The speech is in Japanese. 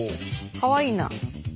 かわいいな。